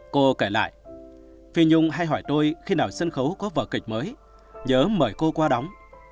cô kể lại phi nhung hay hỏi tôi khi nào sân khấu có vở kịch mới nhớ mời cô qua đóng